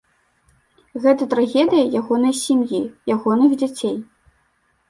Гэта трагедыя ягонай сям'і, ягоных дзяцей.